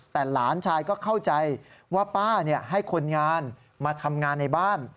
แต่หลานชายก็เข้าใจว่าป้าให้คนงานมาทำงานในบ้าน